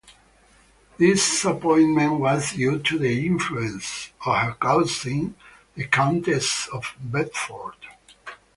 This appointment was due to the influence of her cousin the Countess of Bedford.